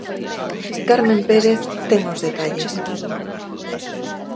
Carmen Pérez ten os detalles.